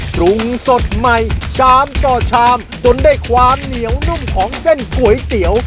ปรุงสดใหม่ชามต่อชามจนได้ความเหนียวนุ่มของเส้นก๋วยเตี๋ยว